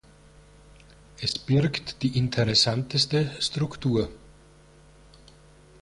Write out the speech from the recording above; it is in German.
Es birgt die interessanteste Struktur.